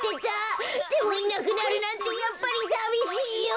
でもいなくなるなんてやっぱりさびしいよ！